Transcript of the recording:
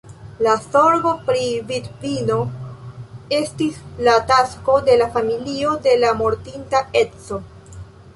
La zorgo pri vidvino estis la tasko de la familio de la mortinta edzo.